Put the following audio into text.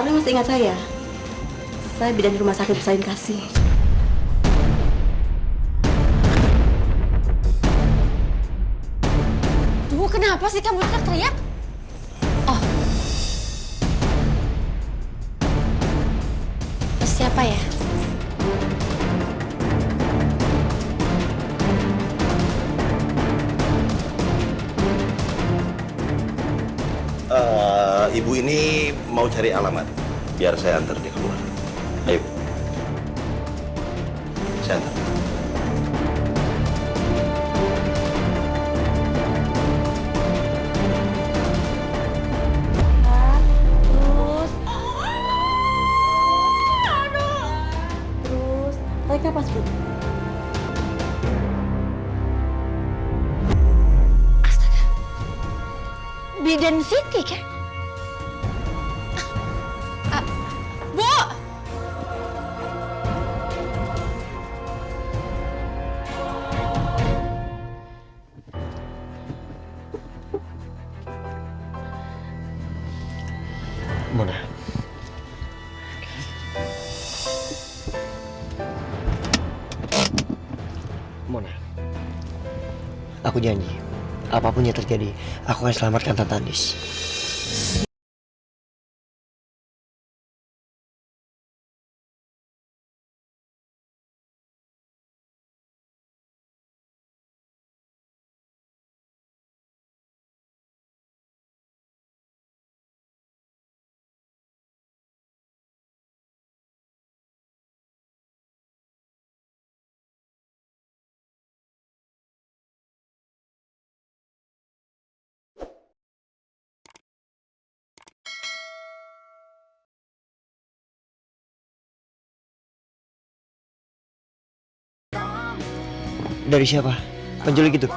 tante andis bakalan lebih percaya omongan aku ketimbang omongan papa